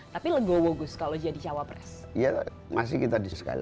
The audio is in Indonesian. tapi legowo gus kalau jadi cawapres iya masih kita disekali lagi